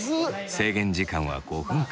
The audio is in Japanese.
制限時間は５分間。